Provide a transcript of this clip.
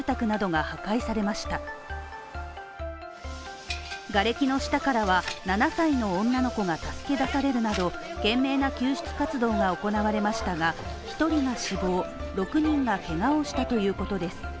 がれきの下からは７歳の女の子が助け出されるなど懸命な救出活動が行われましたが１人が死亡、６人がけがをしたということです。